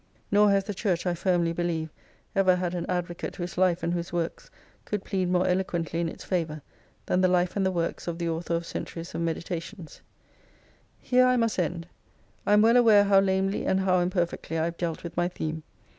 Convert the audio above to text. Nor has the Church, I firmly believe, ever had an advocate whose life and whose works could plead more eloquently in its favour than the life and the works of the author of " Centuries of Meditations." Here I must end. I am well aware how lamely and how imperfectly I have dealt with my theme.